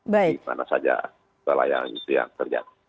di mana saja kelayangan itu yang terjadi